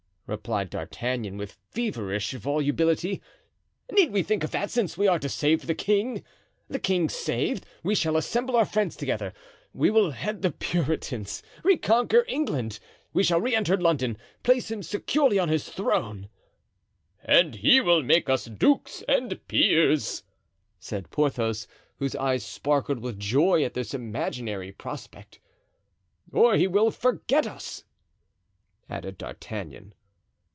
replied D'Artagnan, with feverish volubility. "Need we think of that since we are to save the king? The king saved—we shall assemble our friends together—we will head the Puritans—reconquer England; we shall re enter London—place him securely on his throne——" "And he will make us dukes and peers," said Porthos, whose eyes sparkled with joy at this imaginary prospect. "Or he will forget us," added D'Artagnan.